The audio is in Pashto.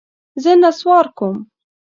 زه نسوار کوم.